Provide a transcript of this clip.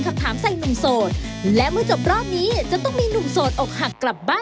เอาความจริงออกมายได้นะครับ